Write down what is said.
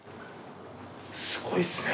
すごいっすね。